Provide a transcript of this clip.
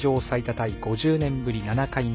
タイ５０年ぶり７回目。